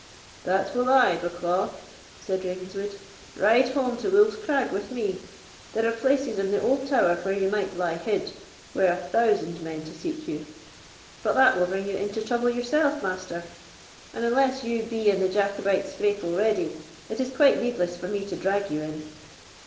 "That will I, Bucklaw," said Ravenswood; "ride home to Wolf's Crag with me. There are places in the old tower where you might lie hid, were a thousand men to seek you." "But that will bring you into trouble yourself, Master; and unless you be in the Jacobite scrape already, it is quite needless for me to drag you in."